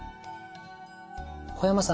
小山さん